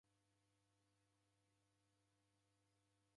Wipate